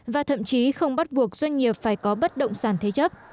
và thậm chí không bắt buộc doanh nghiệp phải có bất động sản thế chấp